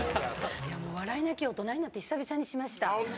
いや、もう、笑い泣き、大人になって久々にしました。